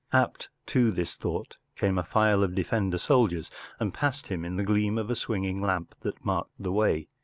Apt to his thought came a file of the defender soldiers and passed him in the gleam of a swinging lamp that marked the way.